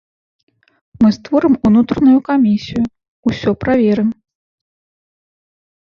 Мы створым унутраную камісію, усё праверым.